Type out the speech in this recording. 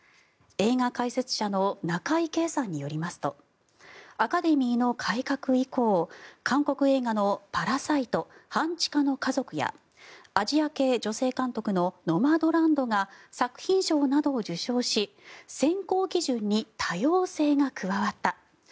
映画解説者の中井圭さんによりますとアカデミーの改革以降韓国映画の「パラサイト半地下の家族」やアジア系女性監督の「ノマドランド」が作品賞などを受賞し選考基準に多様性が加わった。